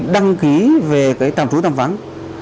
đăng ký về tạm chú tạm vắng